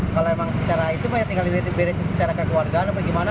kalau memang secara itu pak ya tinggal diberesin secara kekeluargaan apa gimana